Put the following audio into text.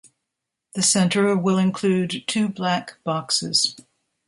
The centre will include two Black Boxes.